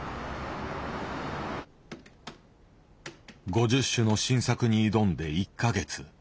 ５０首の新作に挑んで１か月。